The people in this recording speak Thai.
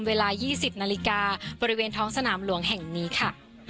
เวลา๒๐นาฬิกาบริเวณท้องสนามหลวงแห่งนี้ค่ะ